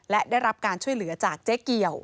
และได้รับการช่วยเหลือจากเจ๊เกี่ยว